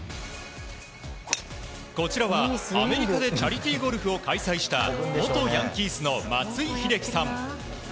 こちらは、アメリカでチャリティーゴルフを開催した元ヤンキースの松井秀喜さん。